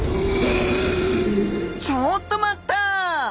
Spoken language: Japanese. ちょっと待った！